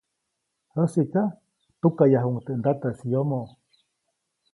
Jäsiʼka tukaʼyajuʼuŋ teʼ ndataʼis yomoʼ.